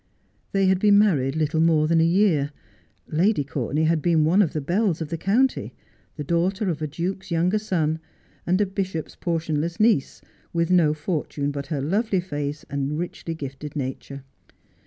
They had been married little more than a year. Lady Courtenay had been one of the belles of the county, the daughter of a duke's younger son, and a bishops portionle^. niece, with no fortune but her lovely face and richly gifted nature.